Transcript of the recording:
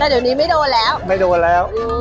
ถ้าเดี๋ยวนี้ไม่โดดแล้ววิทยาลุงบันดิ์ไม่โดดแล้ว